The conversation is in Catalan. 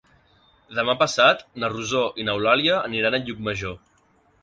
Demà passat na Rosó i n'Eulàlia aniran a Llucmajor.